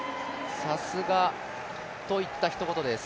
さすがといった、ひと言です。